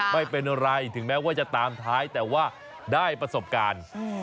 ไม่เป็นไรถึงแม้ว่าจะตามท้ายแต่ว่าได้ประสบการณ์